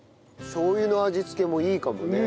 しょう油の味付けもいいかもね。